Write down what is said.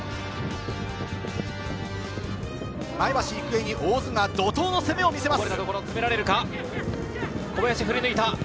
前橋育英に、大津が怒涛の攻めを見せます。